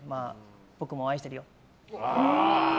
僕も愛しているよ。